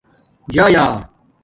جݳیݳ